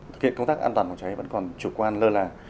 thực hiện công tác an toàn phòng cháy vẫn còn chủ quan lơ là